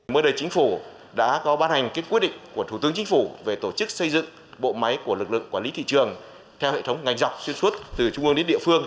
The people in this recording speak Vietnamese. mới đây chính phủ đã có ban hành quyết định của thủ tướng chính phủ về tổ chức xây dựng bộ máy của lực lượng quản lý thị trường theo hệ thống ngành dọc xuyên suốt từ trung ương đến địa phương